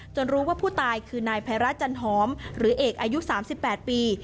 จนรู้ว่าผู้ตายคือนายไพรัชจันหอมหรือเอกอายุสามสิบแปดปี